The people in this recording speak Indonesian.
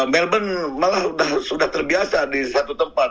melbourne malah sudah terbiasa di satu tempat